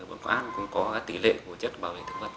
ở quán cũng có tỷ lệ của chất bảo vệ thực vật